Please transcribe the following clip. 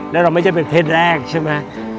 แล้วเราไม่ใช่เป็นเพศแรกใช่ไหม